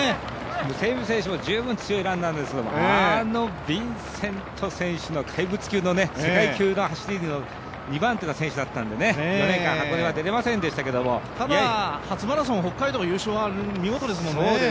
ムセンビ選手も十分強いランナーですが、あのヴィンセント選手怪物級の世界級の走りの２番手の選手だったので４年間、箱根は出れませんでしたけどただ初マラソン北海道優勝は見事ですもんね。